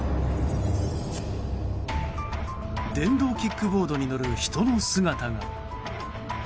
電動キックボードに乗る人の姿が。